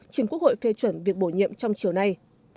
chính quốc hội phê chuẩn việc bổ nhiệm trong chiều nay